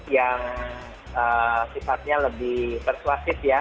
yang sifatnya lebih persuasif ya